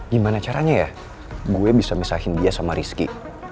gimana caranya ya gue bisa misahin dia sama rizky